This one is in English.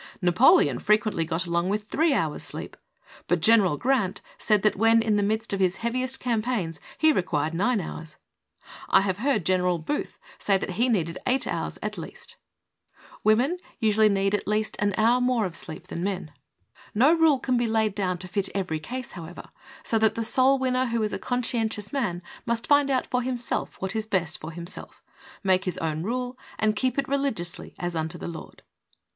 Na poleon frequently got along with three hours' sleep, but General Grant said that when in the midst of his heaviest campaigns he required nine hours. I have heard Gen eral Booth say that he needed eight hours at least. Women usually need at least an 72 THE soul winner's secret. hour more of sleep than men. No rule can be laid down to fit every case, however, so that the soul winner who is a conscientious man must find out for himself what is best for himself, make his own rule and keep it religiously as unto the Lord.